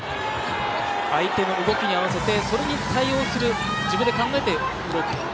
相手の動きに合わせてそれに対応する、自分で考えて動く。